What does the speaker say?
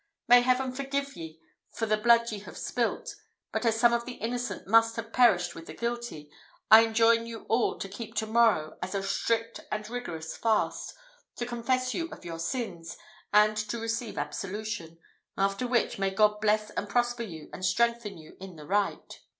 May Heaven forgive ye for the blood ye have spilt; but as some of the innocent must have perished with the guilty, I enjoin you all to keep to morrow as a strict and rigorous fast, to confess you of your sins, and to receive absolution; after which, may God bless and prosper you, and strengthen you in the right."